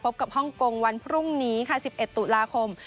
กับฮ่องกงวันพรุ่งนี้ค่ะ๑๑ตุลาคม